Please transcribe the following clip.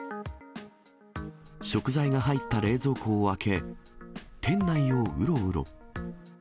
食材が入った冷蔵庫を開け、店内をうろうろ。